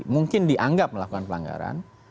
mungkin dianggap melakukan pelanggaran